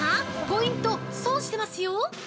ポイント、損してますよ！